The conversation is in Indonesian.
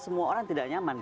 semua orang tidak nyaman